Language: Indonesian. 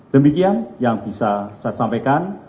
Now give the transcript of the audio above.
demikian yang bisa saya sampaikan